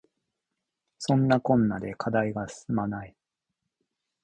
そんなこんなで課題が進まない